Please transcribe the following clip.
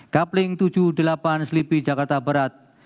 kapling tujuh puluh delapan selipi jakarta berat